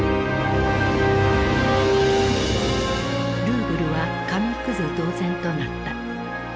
ルーブルは紙くず同然となった。